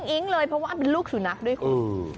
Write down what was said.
อิ๊งเลยเพราะว่าเป็นลูกสุนัขด้วยคุณ